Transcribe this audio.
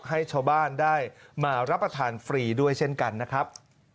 ให้ชาวบ้านได้มารับประทานฟรีด้วยเช่นกันนะครับ